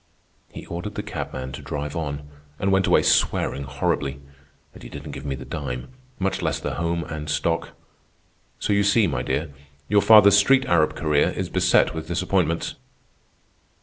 "He ordered the cabman to drive on, and went away swearing horribly. And he didn't give me the dime, much less the home and stock; so you see, my dear, your father's street arab career is beset with disappointments."